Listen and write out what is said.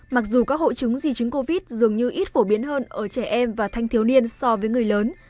mặc dù các hội chứng di chứng covid dường như ít phổ biến hơn ở trẻ em và thanh thiếu niên so với người lớn